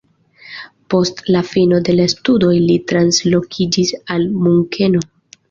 Post la fino de la studoj li translokiĝis al Munkeno.